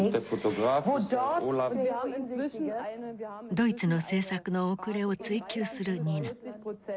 ドイツの政策の遅れを追及するニナ。